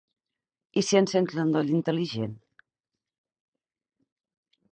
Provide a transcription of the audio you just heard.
I si ens encens l'endoll intel·ligent?